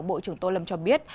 bộ trưởng tô lâm cho biết